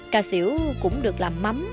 cà xỉu cũng được làm mắm